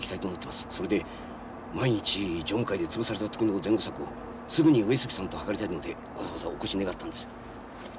それで万一常務会で潰された時の善後策をすぐに上杉さんとはかりたいのでわざわざお越し願ったんです。